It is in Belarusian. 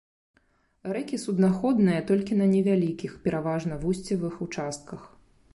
Рэкі суднаходныя толькі на невялікіх, пераважна вусцевых участках.